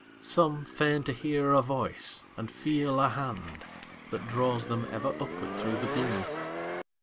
Some feign to hear a voice and feel a hand That draws them ever upward thro' the gloom.